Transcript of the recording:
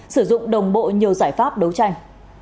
sử dụng đồng bộ nhiều giải pháp đấu tranh